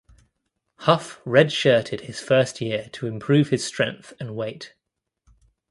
Huff redshirted his first year to improve his strength and weight.